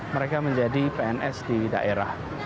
mereka menjadi pns di daerah